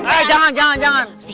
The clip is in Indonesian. eh jangan jangan jangan